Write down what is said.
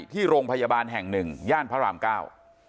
ที่โรงพยาบาลแห่งหนึ่งย่านพระรามเก้า